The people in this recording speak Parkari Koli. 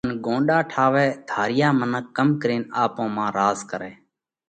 ان ڳونڏا ٺاوئه؟ ڌاريا منک ڪم ڪرينَ آپون مانه راز ڪرئه؟